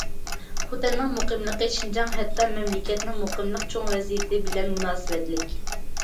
خوتەننىڭ مۇقىملىقى شىنجاڭ، ھەتتا مەملىكەتنىڭ مۇقىملىق چوڭ ۋەزىيىتى بىلەن مۇناسىۋەتلىك.